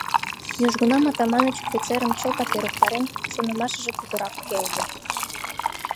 Южгунам Атаманыч офицерым чылтак ӧрыктарен: шонымашыже путырак келге.